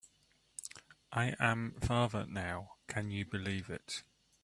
I am father now, can you believe it?